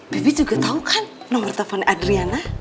bibi juga tahu kan nomor handphonenya adriana